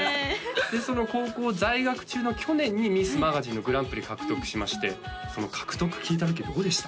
その高校在学中の去年にミスマガジンのグランプリ獲得しましてその獲得聞いた時どうでした？